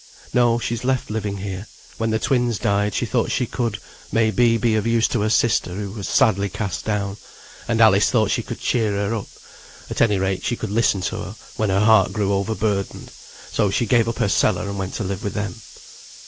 "No, she's left living here. When the twins died she thought she could, may be, be of use to her sister, who was sadly cast down, and Alice thought she could cheer her up; at any rate she could listen to her when her heart grew overburdened; so she gave up her cellar and went to live with them."